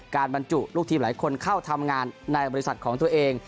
บรรจุลูกทีมหลายคนเข้าทำงานในบริษัทของตัวเอง